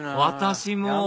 私も！